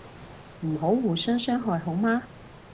唔好互相傷害好嗎